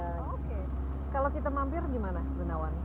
oke kalau kita mampir gimana gunawan